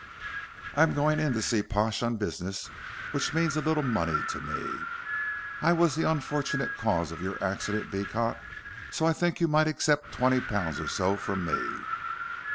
"I am going in to see Pash on business which means a little money to me. I was the unfortunate cause of your accident, Beecot, so I think you might accept twenty pounds or so from me."